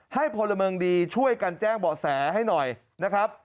พลเมืองดีช่วยกันแจ้งเบาะแสให้หน่อยนะครับ